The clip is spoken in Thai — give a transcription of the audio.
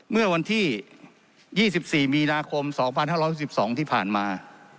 เมื่อวันที่๒๔มีนาคม๒๕๖๒ที่ผ่านมา